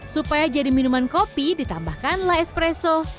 supaya jadi minuman kopi ditambahkanlah espresso